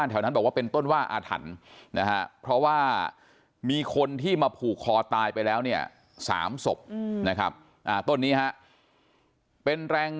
ต้องไปเชิญที่เขามีวิธีเกี่ยวกับการสะกดวิญญาณ